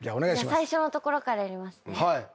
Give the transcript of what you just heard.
最初のところからやりますね。